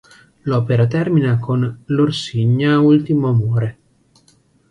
L'opera termina con “L'Orsigna ultimo amore”.